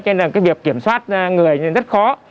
cho nên việc kiểm soát người rất khó